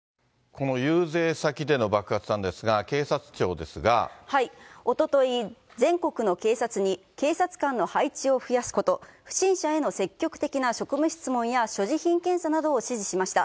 この遊説先での爆発なんですが、おととい、全国の警察に警察官の配置を増やすこと、不審者への積極的な職務質問や所持品検査などを指示しました。